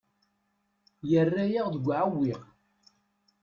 Yerra-yaɣ deg uɛewwiq.